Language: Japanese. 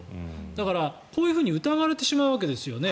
だから、こういうふうに疑われてしまうわけですよね。